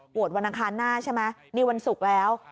วันอังคารหน้าใช่ไหมนี่วันศุกร์แล้ว